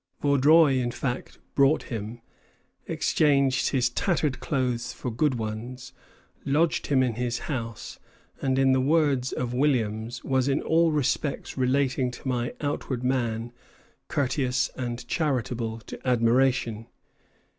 Vaudreuil, in fact, bought him, exchanged his tattered clothes for good ones, lodged him in his house, and, in the words of Williams, "was in all respects relating to my outward man courteous and charitable to admiration."